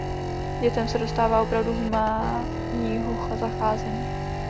Dětem se dostává opravdu humánního zacházení.